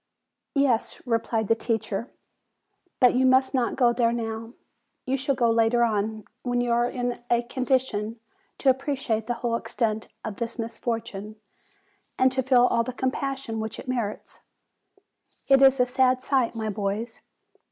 "Yes," replied the teacher; "but you must not go there now. You shall go later on, when you are in a condition to appreciate the whole extent of this mis fortune, and to feel all the compassion which it merits. It is a sad sight, my boys.